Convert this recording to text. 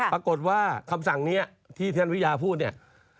ปรากฏว่าคำสั่งนี้ที่ท่านวิญญาณพูดเนี่ย